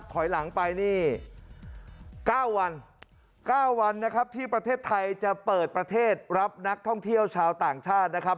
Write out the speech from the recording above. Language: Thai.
ถอยหลังไปนี่๙วัน๙วันนะครับที่ประเทศไทยจะเปิดประเทศรับนักท่องเที่ยวชาวต่างชาตินะครับ